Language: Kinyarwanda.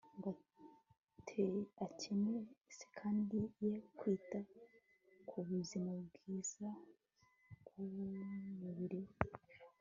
ngo akerense kandi ye kwita ku buzima bwiza bwumubiri we